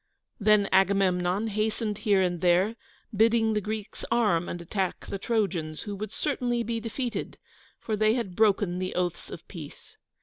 Then Agamemnon hastened here and there, bidding the Greeks arm and attack the Trojans, who would certainly be defeated, for they had broken the oaths of peace.